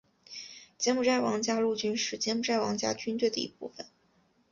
柬埔寨王家陆军是柬埔寨王家军队的一部分。